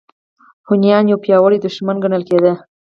هونیان یو پیاوړی دښمن ګڼل کېده.